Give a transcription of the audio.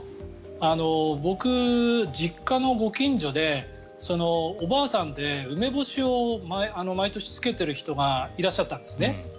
僕、実家のご近所でおばあさんで梅干しを毎年漬けている人がいらっしゃったんですね。